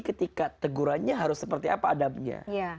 ketika tegurannya harus seperti apa adabnya